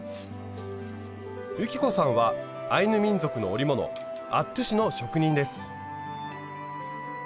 雪子さんはアイヌ民族の織物アットゥの職人です。